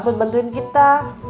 buat bantuin kita